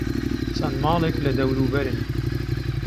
چەند ماڵێک لە دەوروبەرن.